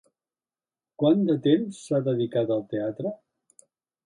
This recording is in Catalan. Quant de temps s'ha dedicat al teatre?